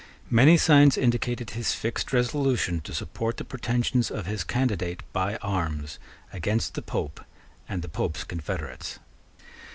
Many signs indicated his fixed resolution to support the pretensions of his candidate by arms against the Pope and the Pope's confederates.